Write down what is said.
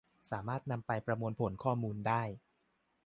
สามารถนำไปประมวลผลข้อมูลได้